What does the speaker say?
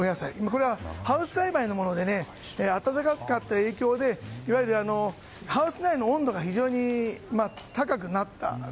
これはハウス栽培のもので暖かかった影響でハウス内の温度が今週、非常に高くなった。